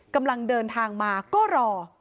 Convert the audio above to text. กำลังเดินทางมาก็รอ